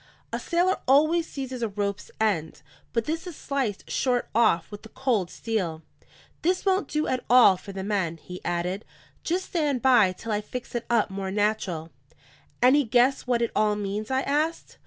A sailor always seizes a rope's end, but this is sliced short off with the cold steel. This won't do at all for the men," he added. "Just stand by till I fix it up more natural." "Any guess what it all means?" I asked.